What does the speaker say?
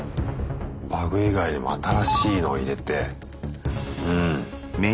バグ以外にも新しいの入れてうん。